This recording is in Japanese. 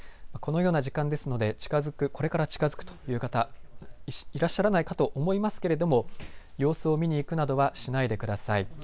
このような時間ですのでこれから近づくという方、いらっしゃらないかと思いますけれども様子を見に行くなどはしないでください。